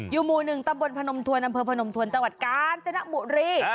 อยู่หมู่๑ตำบลพนมทวนอำเภอพนมทวนจังหวัดกาญจนบุรี